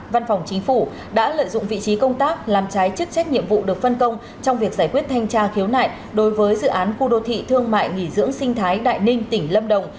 văn phòng chính phủ đã lợi dụng vị trí công tác làm trái chức trách nhiệm vụ được phân công trong việc giải quyết thanh tra khiếu nại đối với dự án khu đô thị thương mại nghỉ dưỡng sinh thái đại ninh tỉnh lâm đồng